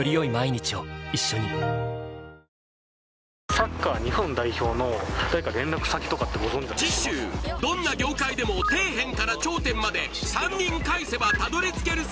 サッカー日本代表の誰か連絡先とかって次週どんな業界でも底辺から頂点まで３人介せばたどり着ける説